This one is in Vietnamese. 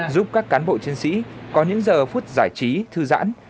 giúp các cán bộ chiến sĩ có những giờ phút giải trí thư giãn